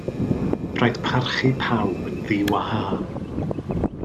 Rhaid parchu pawb yn ddiwahân.